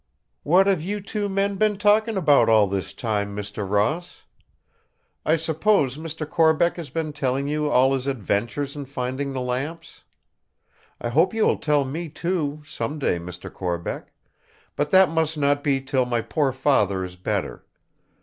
"What have you two men been talking about all this time, Mr. Ross? I suppose, Mr. Corbeck has been telling you all his adventures in finding the lamps. I hope you will tell me too, some day, Mr. Corbeck; but that must not be till my poor Father is better.